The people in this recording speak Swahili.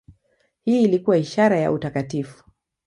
Hii ilikuwa ishara ya utakatifu.